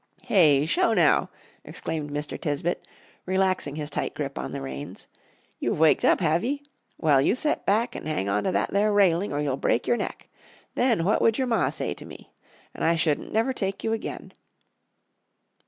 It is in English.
"Hey sho, now!" exclaimed Mr. Tisbett, relaxing his tight grip on the reins. "You've waked up, have ye? Well, you set back and hang on to that there railing, or you'll break your neck. Then what would your Ma say to me? and I shouldn't never take you again."